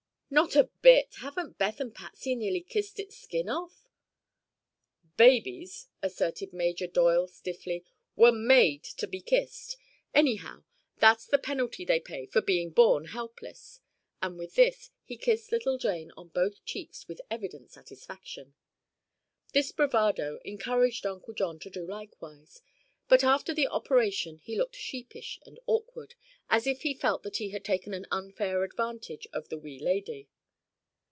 "Not a bit. Haven't Beth and Patsy nearly kissed its skin off?" "Babies," asserted Major Doyle, stiffly, "were made to be kissed. Anyhow, that's the penalty they pay for being born helpless." And with this he kissed little Jane on both cheeks with evident satisfaction. This bravado encouraged Uncle John to do likewise, but after the operation he looked sheepish and awkward, as if he felt that he had taken an unfair advantage of the wee lady.